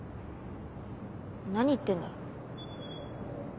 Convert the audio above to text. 何言ってんだ。